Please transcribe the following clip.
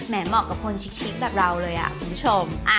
เหมาะกับคนชิคแบบเราเลยคุณผู้ชม